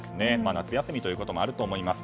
夏休みということもあると思います。